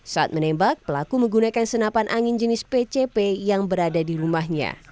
saat menembak pelaku menggunakan senapan angin jenis pcp yang berada di rumahnya